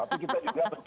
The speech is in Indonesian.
tapi kita juga berkarya